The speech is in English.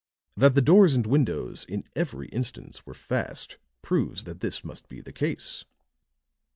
That the doors and windows, in every instance, were fast proves that this must be the case."